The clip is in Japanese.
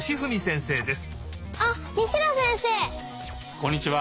こんにちは。